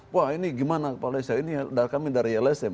wah ini gimana pak lesha ini kami dari lsm